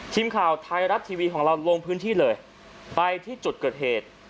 ทีมข่าวไทยรัฐทีวีของเราลงพื้นที่เลยไปที่จุดเกิดเหตุ